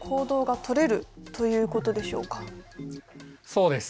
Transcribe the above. そうです。